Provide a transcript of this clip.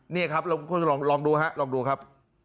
เนี่ยครับลองดูครับ